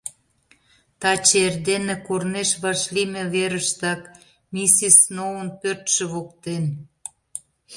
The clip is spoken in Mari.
— Таче эрдене корнеш вашлийме верыштак, миссис Сноун пӧртшӧ воктен.